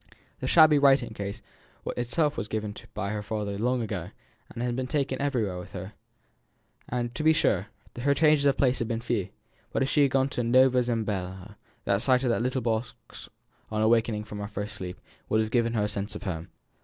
The shabby writing case itself was given her by her father long ago, and had since been taken with her everywhere. To be sure, her changes of place had been but few; but if she had gone to Nova Zembla, the sight of that little leather box on awaking from her first sleep, would have given her a sense of home.